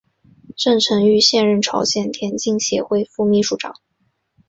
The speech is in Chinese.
郑成玉现任朝鲜田径协会副秘书长。